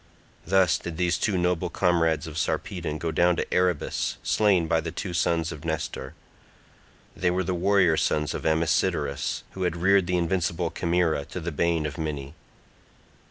Thus did these two noble comrades of Sarpedon go down to Erebus slain by the two sons of Nestor; they were the warrior sons of Amisodorus, who had reared the invincible Chimaera, to the bane of many.